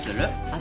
私？